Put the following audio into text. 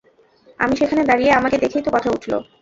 আমি সেখানে দাঁড়িয়ে, আমাকে দেখেই তো কথা উঠল।